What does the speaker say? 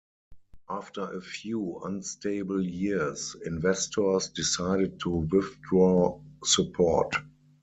After a few unstable years, investors decided to withdraw support.